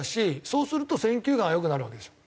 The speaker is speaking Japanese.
そうすると選球眼は良くなるわけですよ。